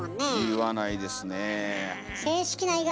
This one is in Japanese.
言わないですね。